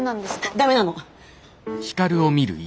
ダメなの！